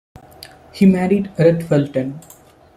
He married Ruth Fulton.